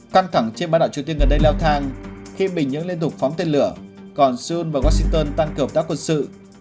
căng thẳng trên bán đảo triều tiên gần đây leo thang khi bình nhưỡng liên tục phóng tên lửa còn seoul và washington tăng cường hợp tác quân sự